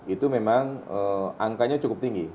itu memang angkanya cukup tinggi